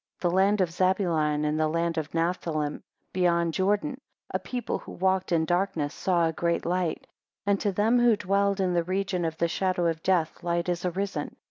6 The land of Zabulon, and the land of Nephthalim, beyond Jordan, a people who walked in darkness, saw a great light; and to them who dwelled in the region of the shadow of death, light is arisen.